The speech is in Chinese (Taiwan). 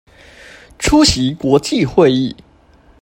出席國際會議